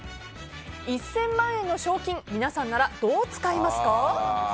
１０００万円の賞金皆さんならどう使いますか？